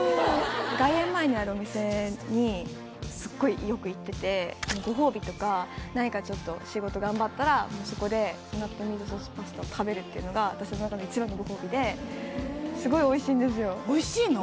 外苑前にあるお店にすっごいよく行っててご褒美とか何かちょっと仕事頑張ったらもうそこでその納豆ミートソースパスタを食べるっていうのが私の中の一番のご褒美ですごいおいしいんですよおいしいの？